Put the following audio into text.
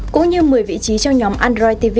cũng như một mươi vị trí trong nhóm ăn